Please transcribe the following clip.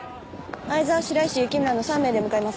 藍沢白石雪村の３名で向かいます。